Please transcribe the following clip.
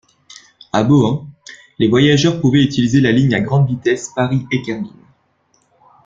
A Bohain, les voyageurs pouvaient utiliser la ligne à grande vitesse Paris Erquelinnes.